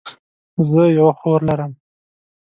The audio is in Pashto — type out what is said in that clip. زه یوه خور لرم